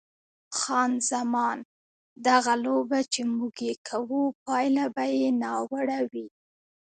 خان زمان: دغه لوبه چې موږ یې کوو پایله به یې ناوړه وي.